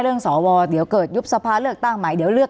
สวเดี๋ยวเกิดยุบสภาเลือกตั้งใหม่เดี๋ยวเลือก